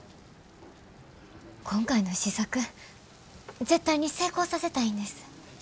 今回の試作絶対に成功させたいんです。